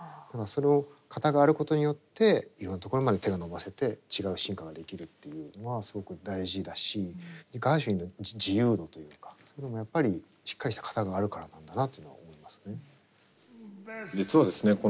だからその型があることによっていろんなところまで手が伸ばせて違う進化ができるっていうのはすごく大事だしガーシュウィンの自由度というかそういうのもやっぱりしっかりした型があるからなんだなっていうのは思いますね。